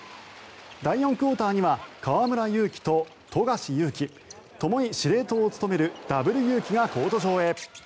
第４クオーターには河村勇輝と富樫勇樹ともに司令塔を務めるダブルユウキがコート上へ。